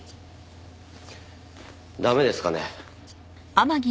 駄目ですかね？